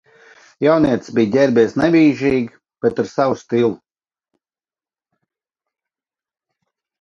Jaunietis bija ģērbies nevīžīgi, bet ar savu stilu